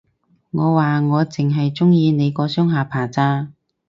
我話，我剩係鍾意你個雙下巴咋